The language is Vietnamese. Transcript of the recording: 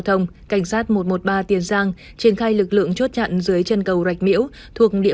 thông cảnh sát một trăm một mươi ba tiền giang triển khai lực lượng chốt chặn dưới chân cầu rạch miễu thuộc địa